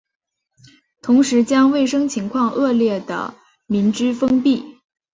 同时将卫生情况恶劣的民居封闭。